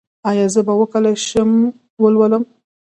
ایا زه به وکولی شم ولولم؟